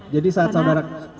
jadi saat saudara